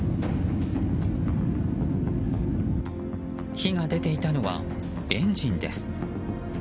火が出ていたのはエンジンです。